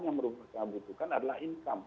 yang mereka butuhkan adalah income